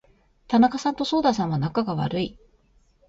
田中さんと左右田さんは仲が悪い。